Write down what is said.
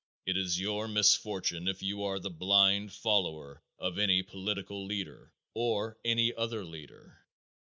It is your misfortune if you are the blind follower of any political leader, or any other leader.